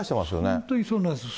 本当にそうなんです。